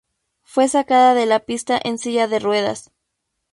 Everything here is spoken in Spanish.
Fue sacada de la pista en silla de ruedas.